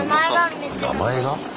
名前が？